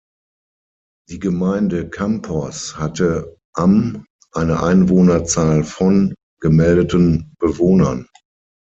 Die Gemeinde Campos hatte am eine Einwohnerzahl von gemeldeten Bewohnern.